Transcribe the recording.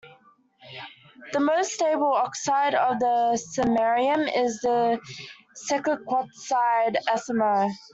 The most stable oxide of samarium is the sesquioxide SmO.